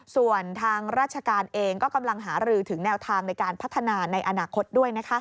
ส่วนทางราชการเองก็กำลังหารือถึงแนวทางในการพัฒนาในอนาคตด้วย